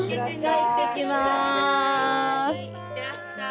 いってらっしゃい。